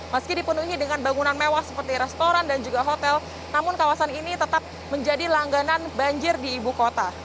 meski dipenuhi dengan bangunan mewah seperti restoran dan juga hotel namun kawasan ini tetap menjadi langganan banjir di ibu kota